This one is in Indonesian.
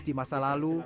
di masa lalu